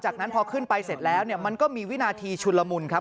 จากนั้นพอขึ้นไปเสร็จแล้วเนี่ยมันก็มีวินาทีชุนละมุนครับ